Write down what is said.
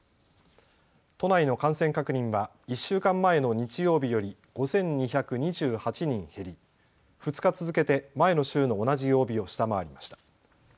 都内の感染確認は１週間前の日曜日より５２２８人減り２日続けて前の週の同じ曜日を下回りました。